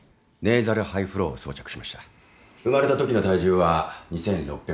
生まれたときの体重は２，６００ｇ。